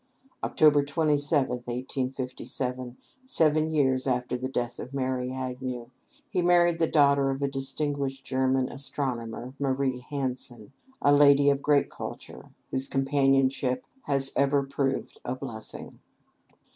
Oct. 27, 1857, seven years after the death of Mary Agnew, he married the daughter of a distinguished German astronomer, Marie Hansen, a lady of great culture, whose companionship has ever proved a blessing.